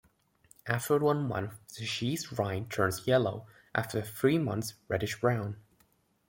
After one month, the cheese rind turns yellow; after three months, reddish brown.